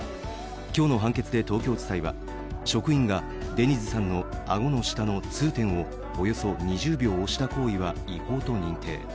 今日の判決で東京地裁は、職員がデニズさんの顎の下の痛点をおよそ２０秒押した行為は違法と認定。